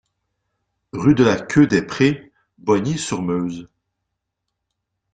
Rue de la Queue des Prés, Bogny-sur-Meuse